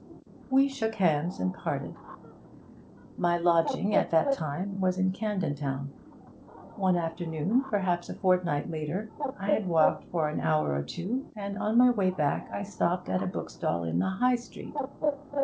We shook hands and parted. My lodging at that time was in Camden Town. One afternoon, perhaps a fortnight later, I had walked for an hour or two, and on my way back I stopped at a bookstall in the High Street.